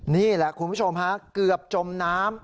นี่แหละคุณผู้ชมฮะเกือบจมน้ำ